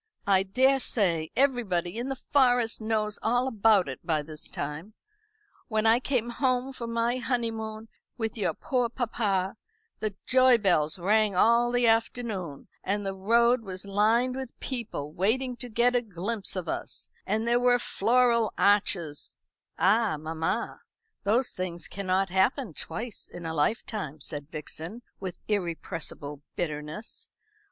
I daresay everybody in the Forest knows all about it by this time. When I came home from my honeymoon with your poor papa, the joy bells rang all the afternoon, and the road was lined with people waiting to get a glimpse of us, and there were floral arches " "Ah, mamma, those things cannot happen twice in a lifetime," said Vixen, with irrepressible bitterness.